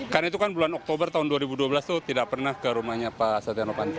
karena itu kan bulan oktober tahun dua ribu dua belas itu tidak pernah ke rumahnya pak stiano fanto